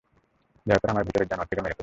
দয়া করে আমার ভেতরের জানোয়ারটাকে মেরে ফেলুন!